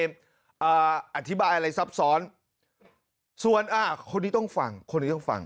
อธิบายอะไรซับซ้อนส่วนอ่าคนนี้ต้องฟังคนนี้ต้องฟัง